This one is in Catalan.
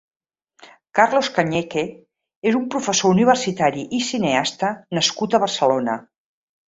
Carlos Cañeque és un professor universitari i cineasta nascut a Barcelona.